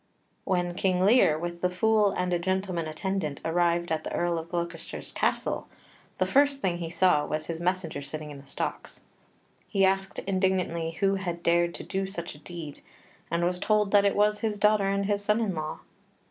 When King Lear, with the Fool and a gentleman attendant, arrived at the Earl of Gloucester's castle, the first thing he saw was his messenger sitting in the stocks. He asked indignantly who had dared to do such a deed, and was told that it was his daughter and his son in law.